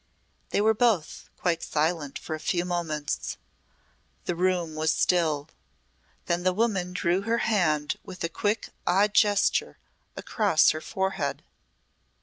They were both quite silent for a few moments. The room was still. Then the woman drew her hand with a quick odd gesture across her forehead.